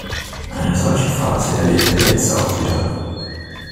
Eine solche Phase erleben wir jetzt auch wieder.